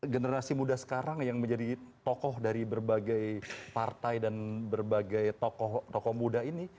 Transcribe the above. generasi muda sekarang yang menjadi tokoh dari berbagai partai dan berbagai tokoh tokoh muda ini